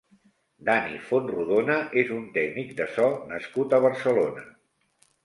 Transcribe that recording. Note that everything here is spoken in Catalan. Dani Fontrodona és un tècnic de so nascut a Barcelona.